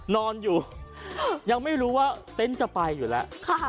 นอนอยู่ยังไม่รู้ว่าเต็นต์จะไปอยู่แล้ว